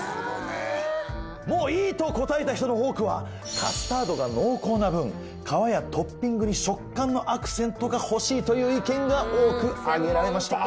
「もういい」と答えた人の多くは「カスタードが濃厚な分皮やトッピングに食感のアクセントが欲しい」という意見が多く上げられました。